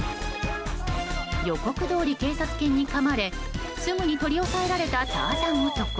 予告どおり、警察犬にかまれすぐに取り押さえられたターザン男。